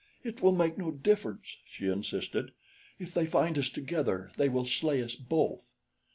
"It will make no difference," she insisted. "If they find us together they will slay us both."